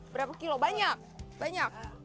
berapa kilo banyak banyak